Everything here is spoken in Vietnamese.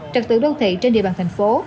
trực tự đô thị trên địa bàn thành phố